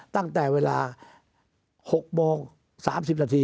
ตั้งแต่เวลา๖โมง๓๐นาที